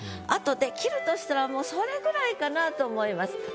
あとできるとしたらもうそれぐらいかなぁと思います。